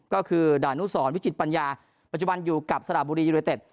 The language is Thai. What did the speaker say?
ก็คือดานุสรวิจิตปัญญาปัจจุบันอยู่กับสระบุรียูเนเต็ด